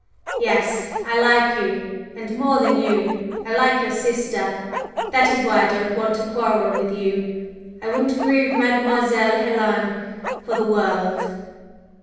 Yes, I like you and more than you, I like your sister. That is why I don't want to quarrel with you; I wouldn't grieve Mademoiselle Helen for the world."